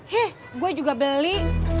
heh gua juga beli